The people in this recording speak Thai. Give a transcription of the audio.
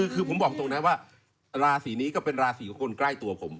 คือผมบอกตรงนะว่าราศีนี้ก็เป็นราศีของคนใกล้ตัวผม